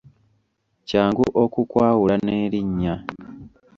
Kyangu okukwawula n'erinnya.